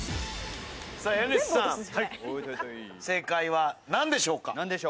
家主さん、正解はなんでしょうか？